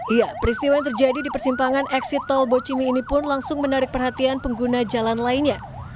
iya peristiwa yang terjadi di persimpangan eksit tol bocimi ini pun langsung menarik perhatian pengguna jalan lainnya